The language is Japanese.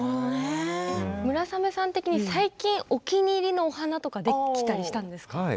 村雨さん的に最近お気に入りのお花とかできたりしたんですか。